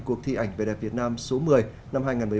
cuộc thi ảnh về đẹp việt nam số một mươi năm hai nghìn một mươi bảy